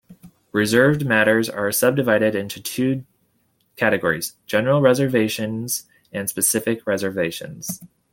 Reserved matters are subdivided into two categories: General reservations and specific reservations.